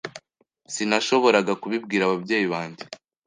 Sinashoboraga kubibwira ababyeyi banjye